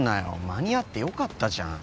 間に合ってよかったじゃん。